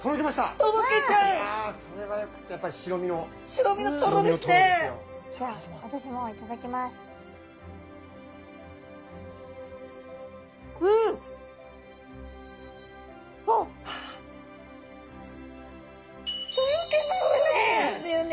トロけますよね